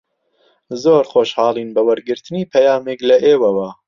زۆر خۆشحاڵین بە وەرگرتنی پەیامێک لە ئێوەوە.